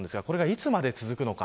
いつまで続くのか。